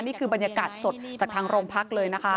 นี่คือบรรยากาศสดจากทางโรงพักเลยนะคะ